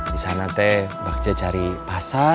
disana teh bagja cari pasar